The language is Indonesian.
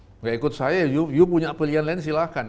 tidak ikut saya yuk punya pilihan lain silahkan